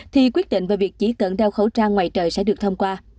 thì quyết định về việc chỉ cần đeo khẩu trang ngoài trời sẽ được thông qua